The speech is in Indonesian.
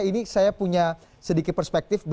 ini saya punya sedikit perspektif